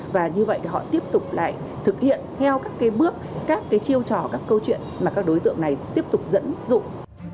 và như vậy họ tiếp tục lại thực hiện theo các bước các chiêu trò các câu chuyện mà các đối tượng này tiếp tục dẫn dụng